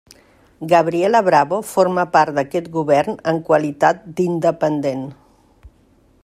Gabriela Bravo forma part d'aquest govern en qualitat d'independent.